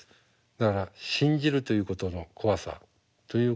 だから信じるということの怖さということ。